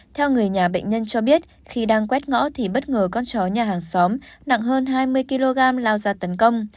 theo người nhà bệnh nhân cho biết khi đang quét ngõ thì bất ngờ con chó nhà hàng xóm nặng hơn hai mươi kg lao ra tấn công